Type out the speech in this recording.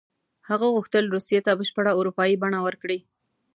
هغه غوښتل روسیې ته بشپړه اروپایي بڼه ورکړي.